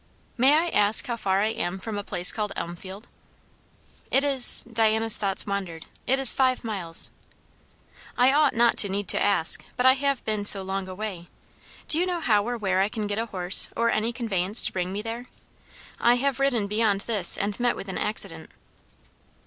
"May I ask how far I am from a place called Elmfield?" "It is" Diana's thoughts wandered, "It is five miles." "I ought not to need to ask but I have been so long away. Do you know how or where I can get a horse, or any conveyance, to bring me there? I have ridden beyond this, and met with an accident."